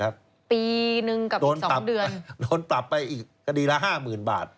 ปีหนึ่งกับอีก๒เดือนโดนตับไปอีกคดีละ๕๐๐๐๐บาท